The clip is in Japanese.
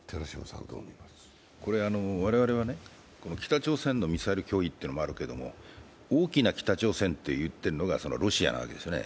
これ、我々は北朝鮮のミサイル脅威というのもあるけど大きな北朝鮮と言っているのが、ロシアなわけですね。